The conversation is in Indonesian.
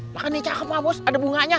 makanya cakep pak bos ada bunganya